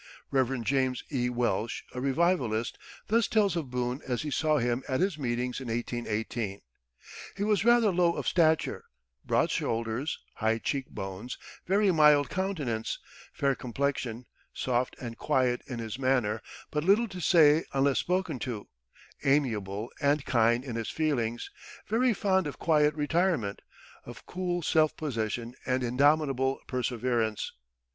Rev. James E. Welch, a revivalist, thus tells of Boone as he saw him at his meetings in 1818: "He was rather low of stature, broad shoulders, high cheek bones, very mild countenance, fair complexion, soft and quiet in his manner, but little to say unless spoken to, amiable and kind in his feelings, very fond of quiet retirement, of cool self possession and indomitable perseverance.